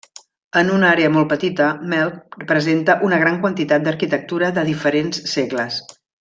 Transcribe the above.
En una àrea molt petita, Melk presenta una gran quantitat d'arquitectura de diferents segles.